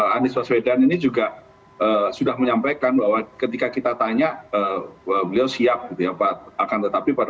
anies baswedan ini juga sudah menyampaikan bahwa ketika kita tanya beliau siap akan tetapi pada